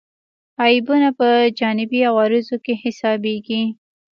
عیبونه په جانبي عوارضو کې حسابېږي.